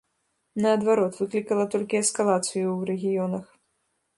Наадварот, выклікала толькі эскалацыю ў рэгіёнах.